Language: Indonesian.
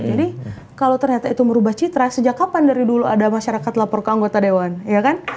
jadi kalo ternyata itu merubah citra sejak kapan dari dulu ada masyarakat lapor ke anggota dewan ya kan